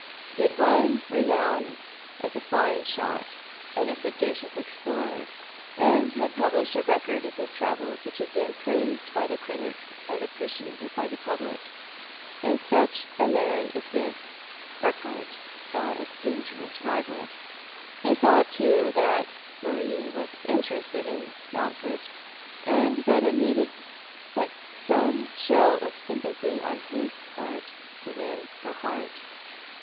He had won renown as a fine shot and a sagacious explorer, and had published a record of his travels which bad been praised by the critics and appreciated by the public. In such a man as this Urqubart saw a dangerous rival. He saw, too, that Marie was interested in Mountford, and that it needed but some show of sympathy on bis part to win her heart.